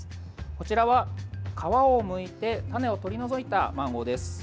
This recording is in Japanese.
こちらは、皮をむいて種を取り除いたマンゴーです。